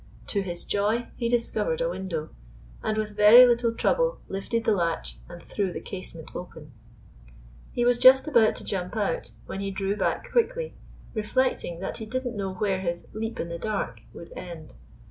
To his joy he discovered a window, and with very little trouble lifted the latch, and threw the casement open. He was just about to jump out, when he drew back quickly, reflecting that he did n't know where his "leap in the dark" would end!